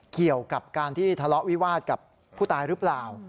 เกี่ยวกับการที่ทะเลาะวิวาสกับผู้ตายหรือเปล่า